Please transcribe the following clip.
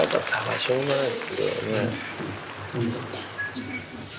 しょうがないっす。